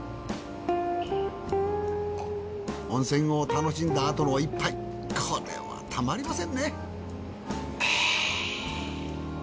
温泉を楽しんだあとの一杯これはたまりませんね。